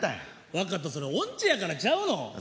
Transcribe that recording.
分かったそれ音痴やからちゃうの？